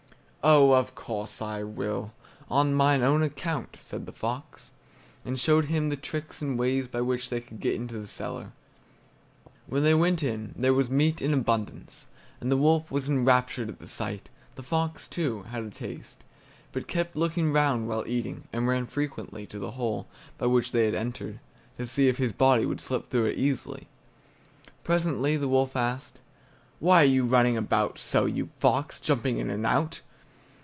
"Oh, of course I will, on mine own account!" said the fox, and showed him the tricks and ways by which they could get into the cellar. When they went in there was meat in abundance, and the wolf was enraptured at the sight. The fox, too, had a taste, but kept looking round while eating, and ran frequently to the hole by which they had entered, to see if his body would slip through it easily. Presently the wolf asked: "Why are you running about so, you fox, jumping in and out?"